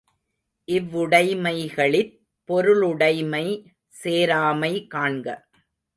இவ்வுடைமைகளிற் பொருளுடைமை சேராமை காண்க.